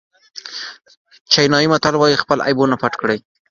چینایي متل وایي خپل عیبونه پټ کړئ.